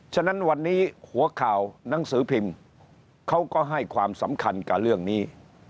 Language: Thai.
ฉะนั้นวันนี้หัวข่าวหนังสือพิมพ์เขาก็ให้ความสำคัญกับเรื่องนี้